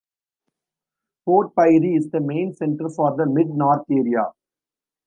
Port Pirie is the main centre for the Mid North area.